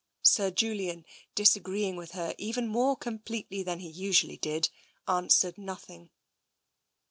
Sir Julian, disagreeing with her even more com pletely than he usually did, answered nothing.